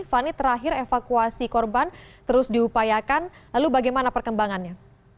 fani terakhir evakuasi korban terus diupayakan lalu bagaimana perkembangannya